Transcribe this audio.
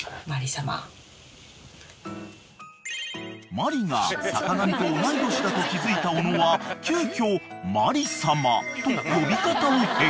［マリが坂上と同い年だと気付いた小野は急きょ「マリ様」と呼び方を変更］